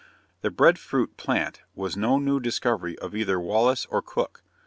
The bread fruit plant was no new discovery of either Wallis or Cook.